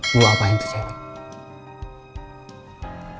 gue ngapain tuh cewek